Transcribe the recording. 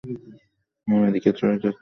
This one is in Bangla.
আমি এদিকে চলে যাচ্ছি বাপের বাড়ি, কৈফিয়ত চাইব।